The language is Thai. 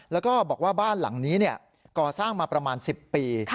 แล้วก็บอกว่าบ้านหลังนี้ก่อสร้างมาประมาณ๑๐ปี